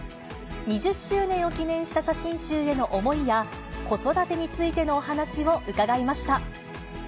２０周年を記念した写真集への思いや、子育てについてのお話を伺いました。